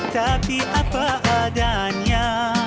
tapi apa adanya